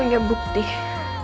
untuk jeblosin gue ke penjara